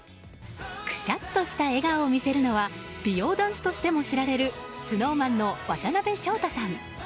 くしゃっとした笑顔を見せるのは美容男子としても知られるＳｎｏｗＭａｎの渡辺翔太さん。